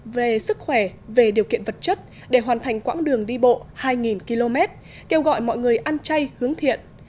về sức khỏe về điều kiện vật chất để hoàn thành quãng đường đi bộ hai km kêu gọi mọi người ăn chay hướng thiện